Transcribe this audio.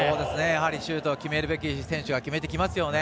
シュートを決めるべき選手が決めてきますよね。